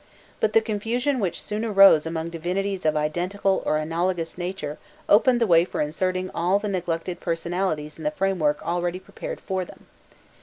But the confusion which soon arose among divinities of identical or analogous nature opened the way for inserting all the neglected personalities in the framework already prepared for them.